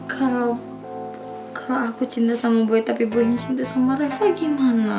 kalau kalau aku cinta sama boy tapi boynya cinta sama reva gimana